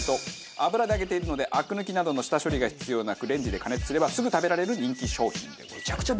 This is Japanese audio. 油で揚げているのでアク抜きなどの下処理が必要なくレンジで加熱すればすぐ食べられる人気商品でございます。